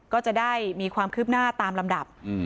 ก็จะได้มีความคืบหน้าตามลำดับ